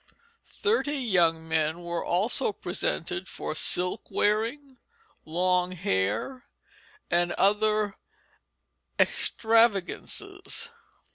Thirty young men were also presented for silk wearing, long hair, and other extravagances.